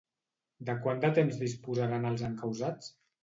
De quant de temps disposaran els encausats?